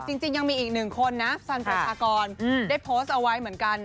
จริงยังมีอีกหนึ่งคนนะสันประชากรได้โพสต์เอาไว้เหมือนกัน